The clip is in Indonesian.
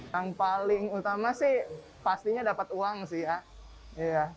yang paling utama sih pastinya dapat uang sih ya